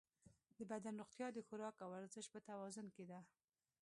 د بدن روغتیا د خوراک او ورزش په توازن کې ده.